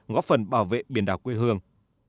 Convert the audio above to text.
ngó phần bảo vệ biển đảo quê hương